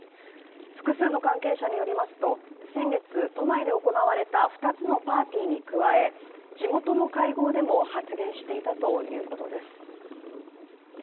複数の関係者によりますと先月、都内で行われた２つのパーティーに加え、地元の会合でも発言していたということです。